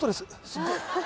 すっごい